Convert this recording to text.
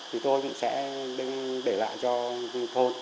thì tôi cũng sẽ để lại cho thôn